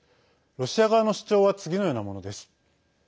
ロシア側の主張は次のようなものです。